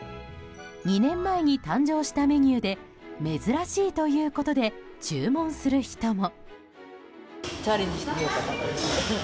２年前に誕生したメニューで珍しいということで注文する人も。